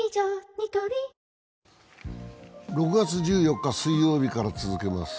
ニトリ６月１４日水曜日から始めます